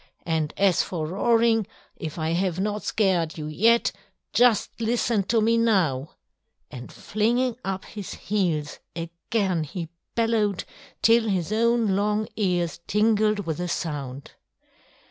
And as for roaring, if I have not scared you yet, just listen to me now!" And flinging up his heels again he bellowed till his own long ears tingled with the sound.